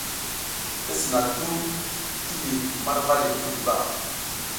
I sina tuh ti mi marva le muduba.